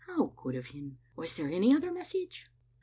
How good of him. Was there any other mes sage?"